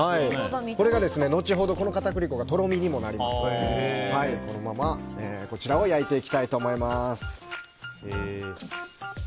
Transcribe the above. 後ほど、この片栗粉がとろみにもなりますのでこのままこちらを焼いていきたいと思います。